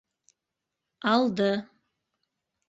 Алды.